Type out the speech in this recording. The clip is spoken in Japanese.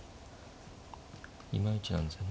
いまいちなんですよね。